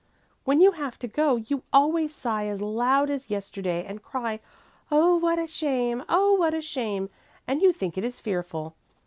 "When you have to go, you always sigh as loud as yesterday and cry: 'Oh, what a shame! Oh, what a shame!' and you think it is fearful."